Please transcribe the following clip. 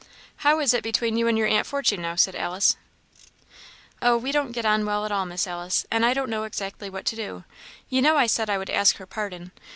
"How is it between you and your aunt Fortune now?" said Alice. "Oh, we don't get on well at all, Miss Alice, and I don't know exactly what to do. You know I said I would ask her pardon.